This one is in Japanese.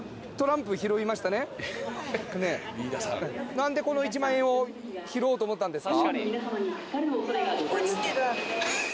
何でこの１万円を拾おうと思ったんですか？